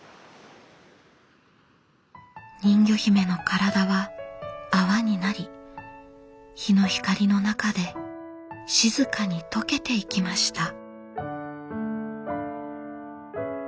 人魚姫の体は泡になり日の光の中で静かに溶けていきました。